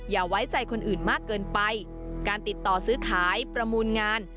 อย่าไว้ใจคนอื่นมากเกินไปการติดต่อซื้อขายประมูลงาน